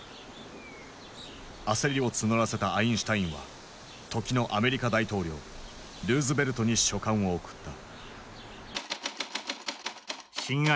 焦りを募らせたアインシュタインは時のアメリカ大統領ルーズベルトに書簡を送った。